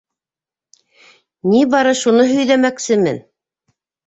- На бары шуны һөйҙәмәксемен.